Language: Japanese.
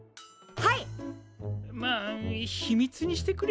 はい！